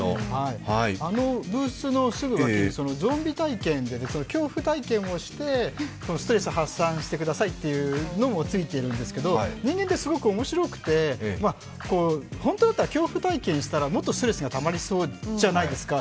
あのブースのすぐ脇にゾンビ体験で、恐怖体験をして、ストレス発散してくださいというのもついているんですけど、人間って、すごくおもしろくて、本当だったら恐怖体験したらもっとストレスがたまりそうじゃないですか。